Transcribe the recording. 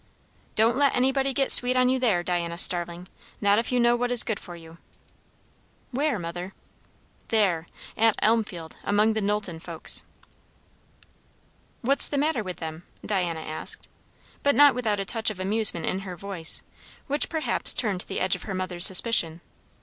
"Don't let anybody get sweet on you there, Diana Starling; not if you know what is good for you." "Where, mother?" "There. At Elmfield. Among the Knowlton folks." "What's the matter with them?" Diana asked; but not without a touch of amusement in her voice, which perhaps turned the edge of her mother's suspicion.